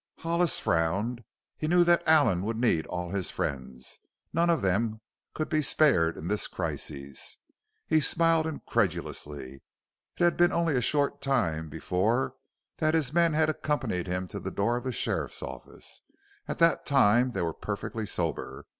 Hollis frowned. He knew that Allen would need all his friends; none of them could be spared in this crisis. He smiled incredulously. It had been only a short time before that his men had accompanied him to the door of the sheriff's office. At that time they were perfectly sober.